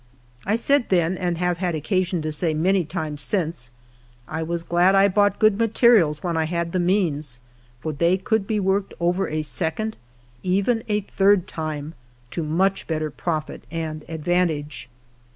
I said then, and have had occasion to say many times since, I was glad 1 bought good materials when 1 had the means, for they could be worked over a second, even a third time, to much better prolit and advantage.